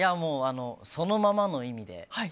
そのままの意味で。